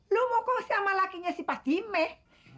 lu mau kongsi sama lakinya si patimeh